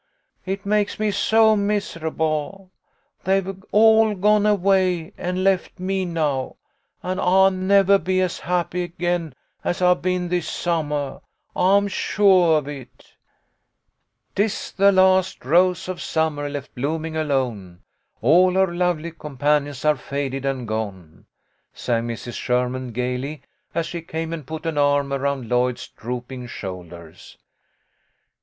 It makes me so misaJiblel They've all gone away and left me now, and I'll nevah be as happy again as I've been this summah. I'm suah of it !" 44 Tis the last rose of summer left blooming alone. All her lovely companions are faded and gone,' " sang Mrs. Sherman, gaily, as she came and put an arm around Lloyd's drooping shoulders.